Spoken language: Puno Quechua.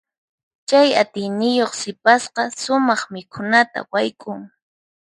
Chay atiyniyuq sipasqa sumaq mikhunata wayk'un.